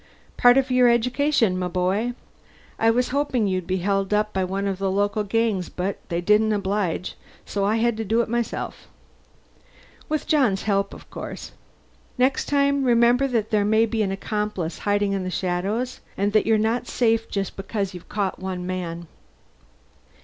"Part of your education, m'boy. I was hoping you'd be held up by one of the local gangs, but they didn't oblige, so I had to do it myself. With John's help, of course. Next time remember that there may be an accomplice hiding in the shadows, and that you're not safe just because you've caught one man."